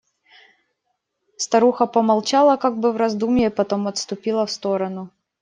Старуха помолчала, как бы в раздумье, потом отступила в сторону.